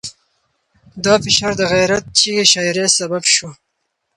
دا فشار د غیرت چغې شاعرۍ سبب شو.